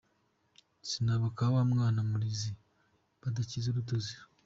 Sinaba aka wa mwana murizi badakiza urutozi.